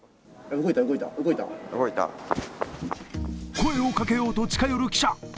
声をかけようと近寄る記者。